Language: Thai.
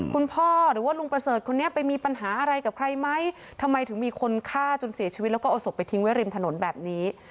คุณพ่อหรือว่าลุงประเสริฐคนนี้ไปมีปัญหาอะไรกับใครไหมทำไมถึงมีคนฆ่าจนเสียชีวิตแล้วก็เอาศพไปทิ้งไว้ริมถนนแบบนี้